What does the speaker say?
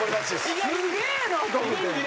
すげえなと思って。